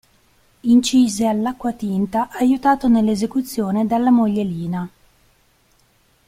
Incise all'acquatinta, aiutato nella esecuzione dalla moglie Lina.